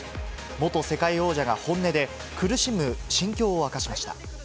元世界王者が本音で、苦しむ心境を明かしました。